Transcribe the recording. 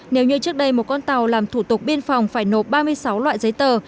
nếu như trước đây một con tàu làm thủ tục biên phòng phải nộp ba mươi sáu loại giấy tờ